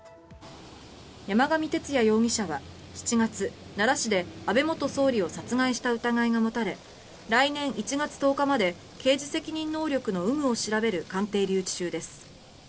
山上徹也容疑者は７月奈良市で安倍元総理を殺害した疑いが持たれ来年１月１０日まで刑事責任能力の有無を調べる鑑定留置中です。